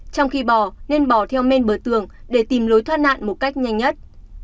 trong khi bò nên bỏ theo men bờ tường để tìm lối thoát nạn một cách nhanh nhất